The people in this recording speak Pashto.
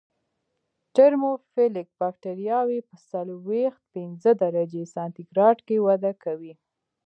ترموفیلیک بکټریاوې په څلویښت پنځه درجې سانتي ګراد کې وده کوي.